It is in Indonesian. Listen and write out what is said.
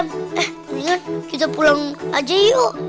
mendingan kita pulang aja yuk